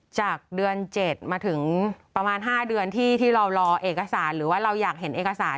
จากเดือน๗มาถึงประมาณ๕เดือนที่เรารอเอกสารหรือว่าเราอยากเห็นเอกสาร